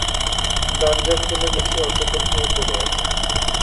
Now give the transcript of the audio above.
দরজা খুলে দেখি অচেতন হয়ে পড়ে আছে।